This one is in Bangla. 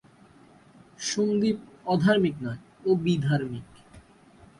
সন্দীপ অধার্মিক নয়, ও বিধার্মিক।